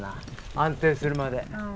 安定するまで。